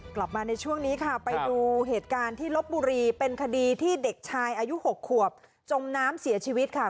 กลับมาในช่วงนี้ค่ะไปดูเหตุการณ์ที่ลบบุรีเป็นคดีที่เด็กชายอายุ๖ขวบจมน้ำเสียชีวิตค่ะ